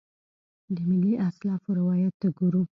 د ملي اسلافو روایت ته ګورو.